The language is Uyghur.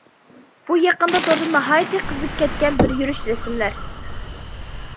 بۇ يېقىندا توردا ناھايىتى قىزىپ كەتكەن بىر يۈرۈش رەسىملەر.